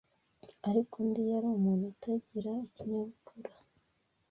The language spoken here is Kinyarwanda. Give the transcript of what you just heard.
ariko undi yari umuntu utagira ikinyabupfura